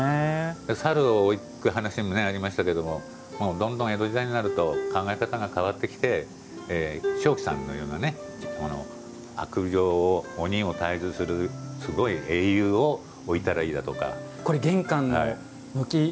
猿を置く話がありましたがどんどん江戸時代になると考え方が変わってきて鍾馗さんのような悪霊、鬼を退治するすごい英雄を置いたらいいとか。